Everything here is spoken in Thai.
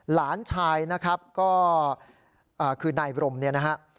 หลานชายนะครับก็คือนายบรมเนี่ยนะฮะ